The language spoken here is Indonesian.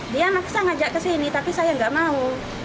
dia maksa ngajak ke sini tapi saya nggak mau